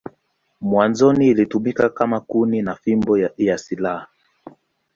Mwanzoni ilitumiwa kama kuni na fimbo ya silaha.